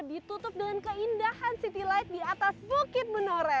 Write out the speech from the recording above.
ditutup dengan keindahan city light di atas bukit menore